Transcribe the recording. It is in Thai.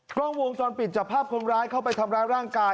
กล้องวงจรปิดจับภาพคนร้ายเข้าไปทำร้ายร่างกาย